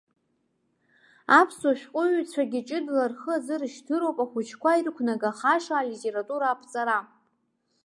Аԥсуа шәҟәыҩҩцәагьы ҷыдала рхы азыршьҭыроуп ахәыҷқәа ирықәнагахаша алитература аԥҵара.